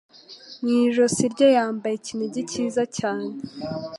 mu ijosi rye yambaye ikinigi cyiza cyane